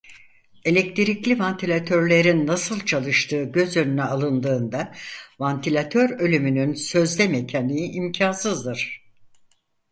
Elektrikli vantilatörlerin nasıl çalıştığı göz önüne alındığında vantilatör ölümünün sözde mekaniği imkansızdır.